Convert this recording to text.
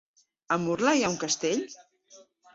A Murla hi ha un castell?